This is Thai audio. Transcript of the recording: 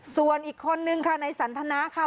ส่วนอีกคนนึงค่ะในสันทนาค่ะ